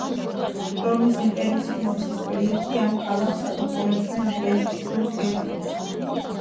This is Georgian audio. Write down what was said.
რომის იმპერიის კრიზისის პერიოდში ამ ქალაქს აკონტროლებდნენ ვესტგუთები.